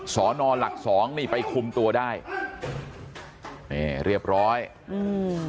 สอนอหลักสองนี่ไปคุมตัวได้นี่เรียบร้อยอืม